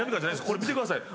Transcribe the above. これ見てください。